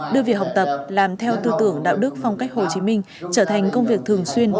đưa việc học tập làm theo tư tưởng đạo đức phong cách hồ chí minh trở thành công việc thường xuyên